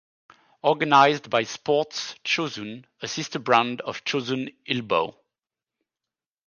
Organized by Sports Chosun (a sister brand of Chosun Ilbo).